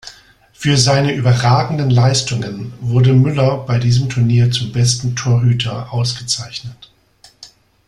Für seine überragenden Leistungen wurde Müller bei diesem Turnier zum besten Torhüter ausgezeichnet.